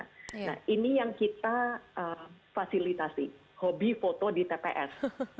nah ini yang kita fasilitasi hobi foto di tps